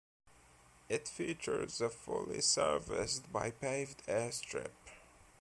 It features a fully serviced by paved airstrip.